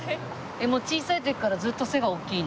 もう小さい時からずっと背が大きいの？